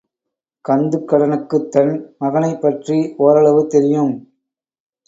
கந்துக்கடனுக்குத் தன் மகனைப் பற்றி ஒரளவு தெரியும்.